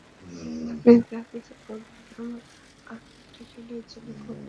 আপনি যা কিছু বলবেন আমার আর্টিকেলের জন্য তা খুব কাজে আসবে।